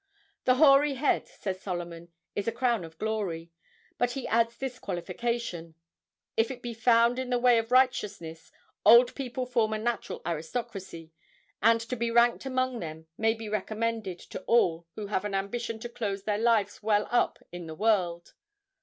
"The hoary head," says Solomon, "is a crown of glory;" but he adds this qualification, "if it be found in the way of righteousness." Old people form a natural aristocracy, and to be ranked among them may be recommended to all who have an ambition to close their lives well up in the world.